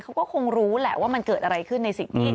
เขาก็คงรู้แหละว่ามันเกิดอะไรขึ้นในสิ่งที่